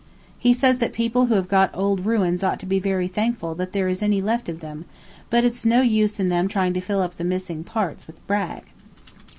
He says that people who have got old ruins ought to be very thankful that there is any of them left, but it's no use in them trying to fill up the missing parts with brag.